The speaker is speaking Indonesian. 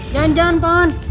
jangan jangan pak man